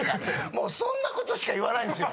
もうそんな事しか言わないんですよ。